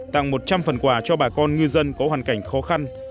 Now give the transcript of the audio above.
tặng một trăm linh phần quà cho bà con ngư dân có hoàn cảnh khó khăn